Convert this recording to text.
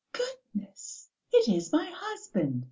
"Goodness! It is my husband!"